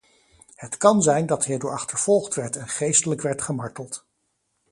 Het kan zijn dat hij erdoor achtervolgd werd en geestelijk werd gemarteld.